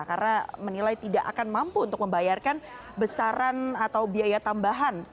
karena menilai tidak akan mampu untuk membayarkan besaran atau biaya tambahan